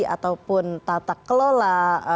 ataupun tata kelola